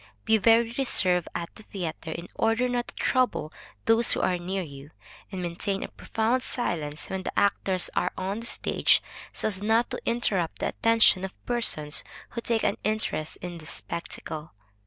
Be very reserved at the theatre, in order not to trouble those who are near you, and maintain a profound silence when the actors are on the stage, so as not to interrupt the attention of persons who take an interest in the spectacle.